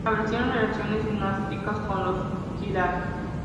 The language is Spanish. Establecieron relaciones dinásticas con los Giray.